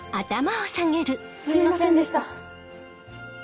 すいませんでした。